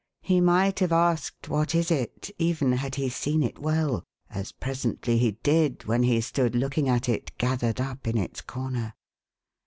He might have asked "What is it?" even had he seen it well, as presently he did when he stood looking at it gathered up in its corner.